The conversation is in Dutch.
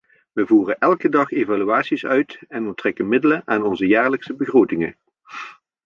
We voeren elke dag evaluaties uit en onttrekken middelen aan onze jaarlijkse begrotingen.